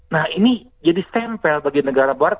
nah ini jadi stempel bagi negara barat